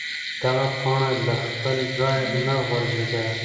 دغه پاڼه له خپل ځایه نه غورځېده.